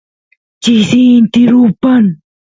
chisi inti rupan